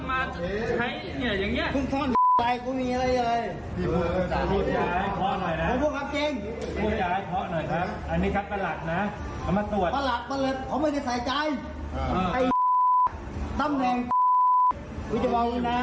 วิจัยวงศ์วินาคม